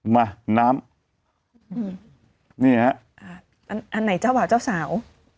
มาน้ำนี่ฮะอ่าอันอันไหนเจ้าบ่าวเจ้าสาว